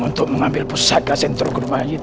untuk mengambil pusaka sentro gondomayit